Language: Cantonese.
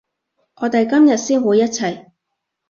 我哋今日先會一齊